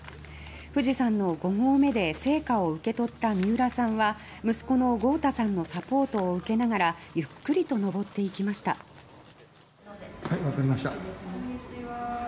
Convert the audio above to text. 富士山の５合目で聖火を受け取った三浦さんは息子の豪太さんのサポートを受けながらゆっくりと登っていきました。